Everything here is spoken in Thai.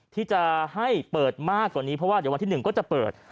ที่จะให้เปิดมากกว่านี้เพราะว่าเดี๋ยววันที่๑ก็จะเปิด